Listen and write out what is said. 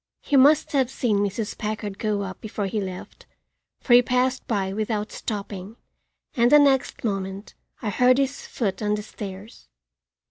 He must have seen Mrs. Packard go up before he left, for he passed by without stopping, and the next moment I heard his foot on the stairs.